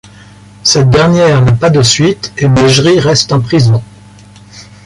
Cette dernière n'a pas de suite et Mejri reste en prison.